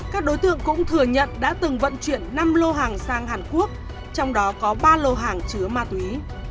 các đối tượng cũng thừa nhận đã từng vận chuyển năm lô hàng sang hàn quốc trong đó có ba lô hàng chứa ma túy